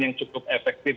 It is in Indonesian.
yang cukup efektif